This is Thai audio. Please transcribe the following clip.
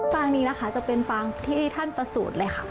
ปางนี้นะคะจะเป็นฟางที่ท่านประสูจน์เลยค่ะ